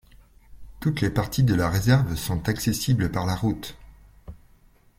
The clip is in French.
Toutes les parties de la réserve sont accessibles par la route.